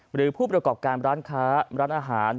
หรือผู้ประกอบการร้านอาหาร